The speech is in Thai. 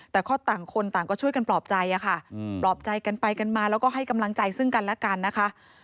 แต่ก็ต่างคนต่างก็ช่วยกันปลอบใจค่ะปลอบใจกันไปกันมาแล้วก็ให้กำลังใจซึ่งกันแล้วกันนะคะ